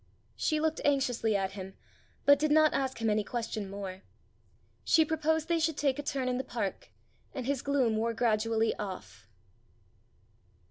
She looked anxiously at him, but did not ask him any question more. She proposed they should take a turn in the park, and his gloom wore gradually off.